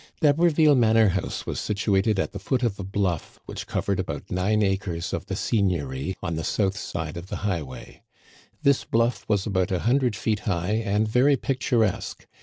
D'HABERVILLE Manor House was situated at the foot of a bluff which covered about nine acres of the seigniory, on the south side of the highway. This bluff was about a hundred feet high and very picturesque.